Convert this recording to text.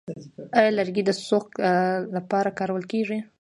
آیا لرګي د سوخت لپاره کارول کیږي؟